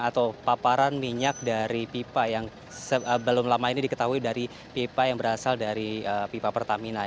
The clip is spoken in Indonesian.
atau paparan minyak dari pipa yang belum lama ini diketahui dari pipa yang berasal dari pipa pertamina